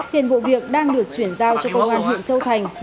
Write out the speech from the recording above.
hiện vụ việc đang được chuyển giao cho công an huyện châu thành